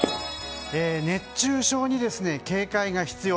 熱中症に警戒が必要。